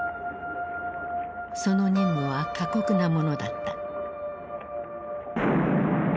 その任務は過酷なものだった。